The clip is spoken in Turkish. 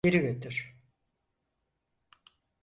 Geri götür.